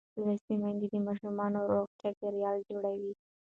لوستې میندې د ماشوم روغ چاپېریال جوړوي.